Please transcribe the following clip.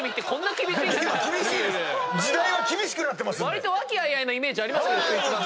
わりと和気あいあいのイメージありましたけど。